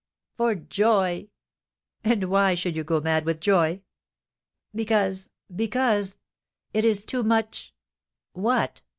"For joy." "And why should you go mad with joy?" "Because because, it is too much " "What?"